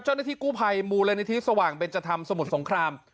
เจ้าหน้าที่กู้ภัยมูลนิธิสว่างเบนจธรรมสมุทรสงคราม